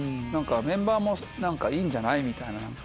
メンバーも「いいんじゃない」みたいな。